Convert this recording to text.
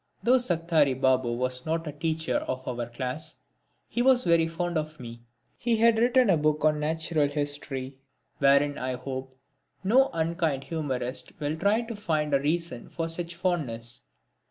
Though Satkari Babu was not a teacher of our class he was very fond of me. He had written a book on Natural History wherein I hope no unkind humorist will try to find a reason for such fondness.